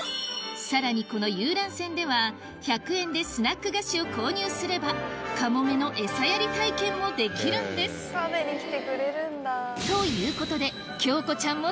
さらにこの遊覧船では１００円でスナック菓子を購入すればカモメの餌やり体験もできるんですということできゃ！